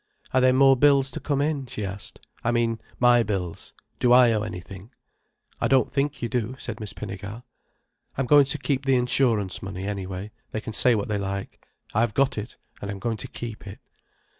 "Are there more bills to come in?" she asked. "I mean my bills. Do I owe anything?" "I don't think you do," said Miss Pinnegar. "I'm going to keep the insurance money, any way. They can say what they like. I've got it, and I'm going to keep it."